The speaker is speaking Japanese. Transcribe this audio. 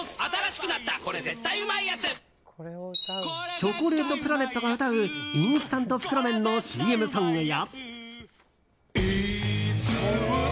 チョコレートプラネットが歌うインスタント袋麺のＣＭソングや。